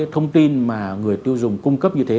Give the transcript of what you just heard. với cái thông tin mà người tiêu dùng cung cấp như thế